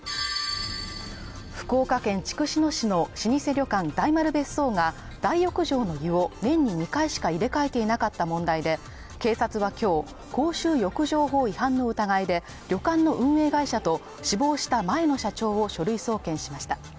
福岡県筑紫野市の老舗旅館大丸別荘が大浴場の湯を年に２回しか入れ替えていなかった問題で、警察は今日、公衆浴場法違反の疑いで旅館の運営会社と死亡した前の社長を書類送検しました。